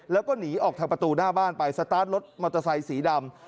แล้วก็หนีออกทางประตูหน้าบ้านไปสตาร์ทรถมอเตอร์ไซสีดำ